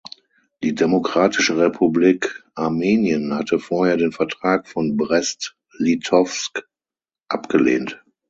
Die Demokratische Republik Armenien hatte vorher den Vertrag von Brest-Litowsk abgelehnt.